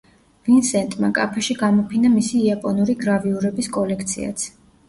ვინსენტმა კაფეში გამოფინა მისი იაპონური გრავიურების კოლექციაც.